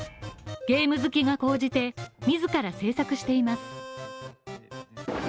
ゲーム好きが高じて自ら制作しています。